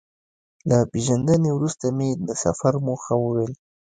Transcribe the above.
له پېژندنې وروسته مې د سفر موخه وویل.